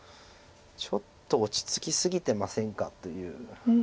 ちょっと落ち着き過ぎてませんかという。